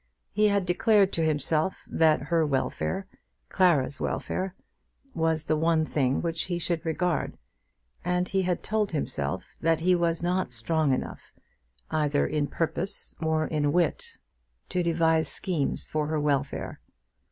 He had declared to himself that her welfare, Clara's welfare, was the one thing which he should regard; and he had told himself that he was not strong enough, either in purpose or in wit, to devise schemes for her welfare.